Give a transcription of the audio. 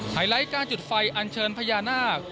ไลท์การจุดไฟอันเชิญพญานาค